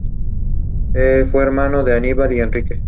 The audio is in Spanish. Si bien no pertenece al Grupo I, es un clásico tradicional.